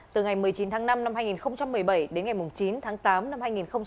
từ ngày một mươi chín tháng năm năm hai nghìn một mươi bảy đến ngày chín tháng tám năm hai nghìn một mươi chín